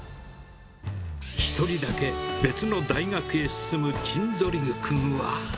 １人だけ、別の大学へ進むチンゾリグ君は。